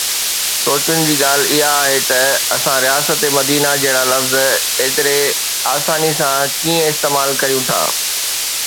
سوچڻ جي ڳالهه اها آهي ته اسان رياست مديني جهڙا لفظ ايتري آساني سان ڪيئن استعمال ڪريون ٿا.